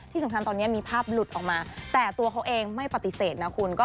ที่สำคัญตอนนี้มีภาพหลุดออกมาแต่ตัวเขาเองไม่ปฏิเสธนะคุณ